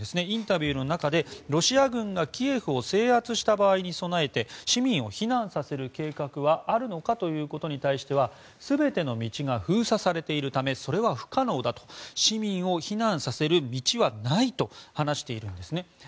インタビューの中でロシア軍がキエフを制圧した場合に備えて市民を避難させる計画はあるのかということに対しては全ての道が封鎖されているためそれは不可能だと市民を避難させる道はないと話しているんですね。